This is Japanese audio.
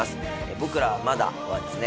『僕らはまだ』はですね